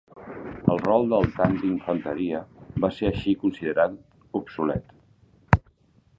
El rol del tanc d'infanteria va ser així considerat obsolet.